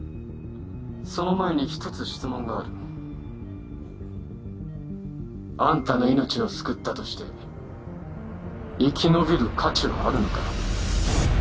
その前に一つ質問があるあんたの命を救ったとして生き延びる価値はあるのか？